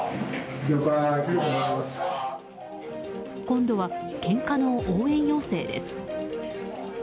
今度は、けんかの応援要請です。